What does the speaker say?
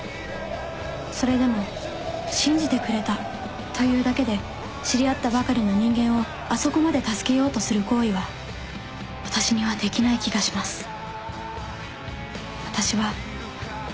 それでも「信じてくれた」というだけで知り合ったばかりの人間をあそこまで助けようとする行為は私にはできない気がします